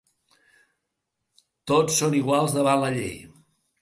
“Tots som iguals davant la llei”.